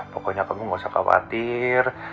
pokoknya kamu gak usah khawatir